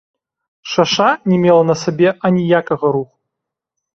Шаша не мела на сабе аніякага руху.